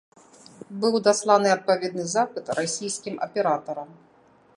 Быў дасланы адпаведны запыт расійскім аператарам.